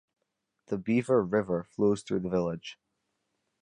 The Beaver River flows through the village.